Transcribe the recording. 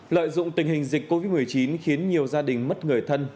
lợi dụng tình hình dịch covid một mươi chín khiến nhiều gia đình mất người thân